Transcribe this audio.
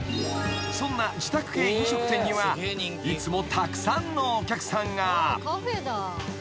［そんな自宅系飲食店にはいつもたくさんのお客さんが］